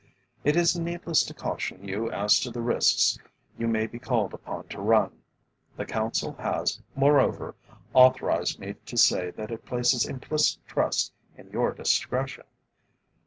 It is needless to caution you as to the risks you may be called upon to run. The Council has, moreover, authorised me to say that it places implicit trust in your discretion.